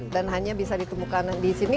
dan hanya bisa ditemukan di sini